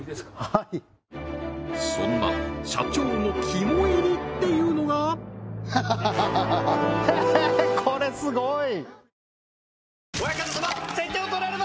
はいそんな社長の肝いりっていうのがハハハハえっこれすごい！